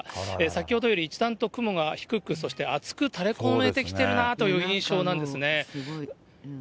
先ほどより一段と雲が低く、そして厚く垂れこめてきてるなという印象なんですね。